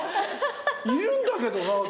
いるんだけどな。